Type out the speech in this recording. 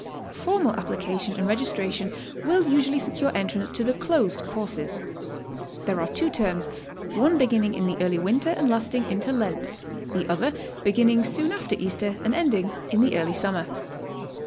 Formal application and registration will usually secure entrance to the ''closed courses." There are two terms, one beginning in the early winter and lasting into Lent; the other beginning soion after Easter and ending in the early summer.